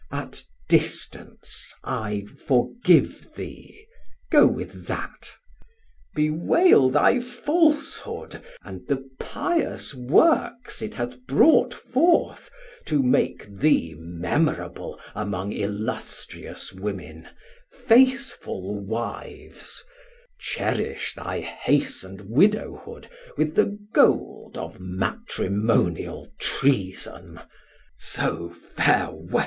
At distance I forgive thee, go with that; Bewail thy falshood, and the pious works It hath brought forth to make thee memorable Among illustrious women, faithful wives: Cherish thy hast'n'd widowhood with the gold Of Matrimonial treason: so farewel.